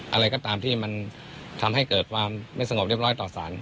อะไรก็ตามที่มันทำให้เกิดความไม่สงบเรียบร้อยต่อสาร